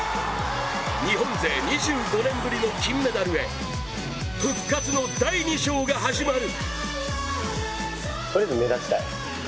日本勢２５年ぶりの金メダルへ復活の第２章が始まる。